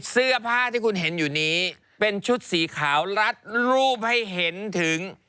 เสื้อผ้าที่คุณเห็นอยู่นี้เป็นชุดสีขาวรัดรูปให้เห็นถึง